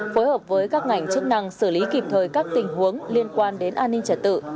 phối hợp với các ngành chức năng xử lý kịp thời các tình huống liên quan đến an ninh trật tự